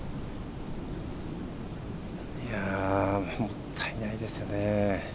もったいないですよね。